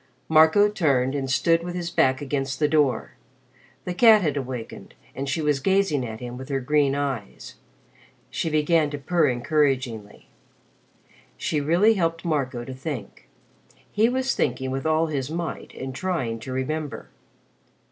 Marco turned and stood with his back against the door. The cat had awakened and she was gazing at him with her green eyes. She began to purr encouragingly. She really helped Marco to think. He was thinking with all his might and trying to remember.